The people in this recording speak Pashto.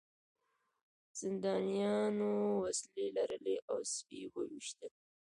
زندانیانو وسلې لرلې او سپي یې وویشتل